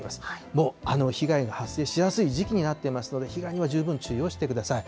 もう被害が発生しやすい時期になってますので、被害には十分注意をしてください。